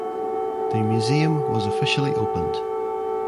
The museum was officially opened.